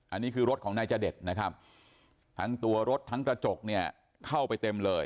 อันนี้คือรถของนายจเดชนะครับทั้งตัวรถทั้งกระจกเนี่ยเข้าไปเต็มเลย